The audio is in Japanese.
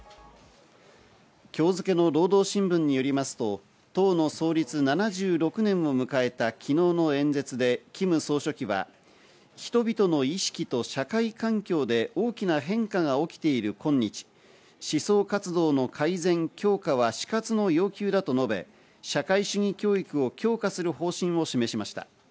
今日付けの労働新聞によりますと、党の創立７６年を迎えた昨日の演説でキム総書記は人々の意識と社会環境で大きな変化が起きているこんにち、思想活動の改善、強化は死活の要求だと述べ、社会主義教育を強化する方針を示しました。